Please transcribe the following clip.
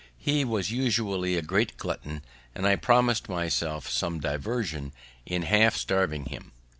He was usually a great glutton, and I promised myself some diversion in half starving him.